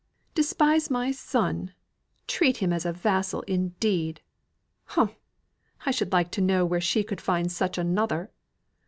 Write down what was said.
"Despise my son! treat him as her vassal, indeed! Humph! I should like to know where she could find such another!